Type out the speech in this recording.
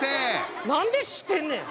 何で知ってんねん。